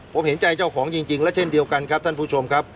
ผมเห็นใจเจ้าของจริงและเช่นเดียวกันครับท่านผู้ชมครับ